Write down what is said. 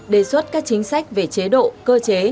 đề xuất các chính sách về chế độ cơ chế